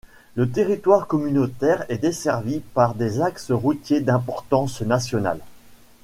Le territoire communautaire est desservi par des axes routiers d'importance nationale.